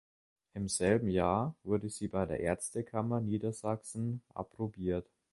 Im selben Jahr wurde sie bei der Ärztekammer Niedersachsen approbiert.